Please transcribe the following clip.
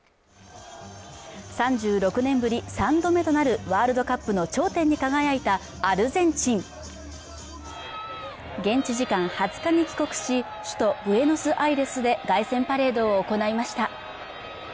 ３６年ぶり３度目となるワールドカップの頂点に輝いたアルゼンチン現地時間２０日に帰国し首都ブエノスアイレスで凱旋パレードを行いました